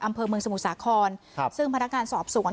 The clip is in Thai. อำเภอเมืองสมุทรสาครครับซึ่งพนักงานสอบสวน